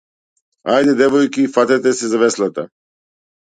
Ајде девојки фатете се за веслата.